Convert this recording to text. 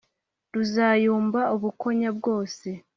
Ruzayumba Ubukonya bwose